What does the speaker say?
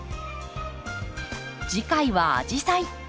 次回は「アジサイ」。